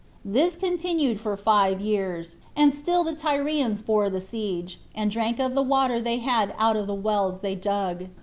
This continued for five years; and still the Tyrians bore the siege, and drank of the water they had out of the wells they dug."